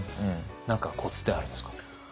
何かコツってあるんですか？